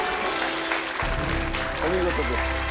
お見事です。